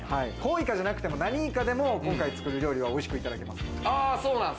コウイカじゃなくても、何イカでも今回作る料理は美味しくいただけます。